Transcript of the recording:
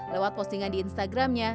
lewat postingan di instagramnya